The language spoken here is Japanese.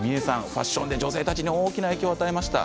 ファッションで女性たちに大きな影響を与えました。